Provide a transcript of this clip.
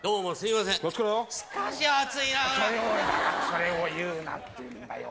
それを言うなって言うんだよ